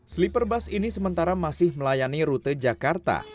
sleeper bus ini sementara masih melayani rute jakarta